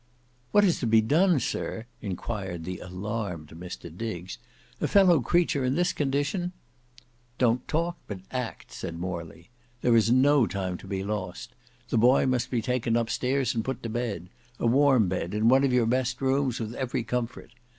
"What is to be done, sir," inquired the alarmed Mr Diggs; "a fellow creature in this condition—" "Don't talk but act," said Morley. "There is no time to be lost. The boy must be taken up stairs and put to bed; a warm bed, in one of your best rooms, with every comfort.